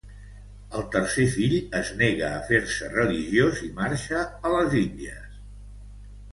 El tercer fill es nega a fer-se religiós i marxa a les Índies.